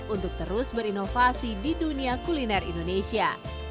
untuk terus berinovasi di dunia kuliner indonesia